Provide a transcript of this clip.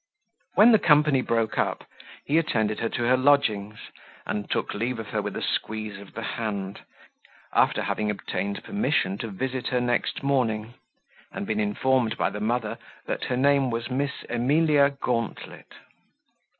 When the company broke up, he attended her to her lodgings, and took leave of her with a squeeze of the hand, after having obtained permission to visit her next morning, and been informed by the mother that her name was Miss Emilia Gauntlet.